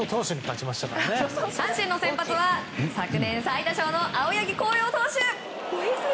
阪神の先発は昨年最多勝の青柳晃洋投手。